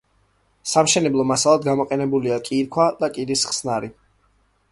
სამშენებლო მასალად გამოყენებულია კირქვა და კირის ხსნარი.